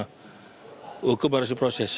hukum harus diproses